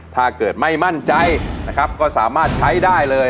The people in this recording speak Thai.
ถ้าเกิดไม่มั่นใจนะครับก็สามารถใช้ได้เลย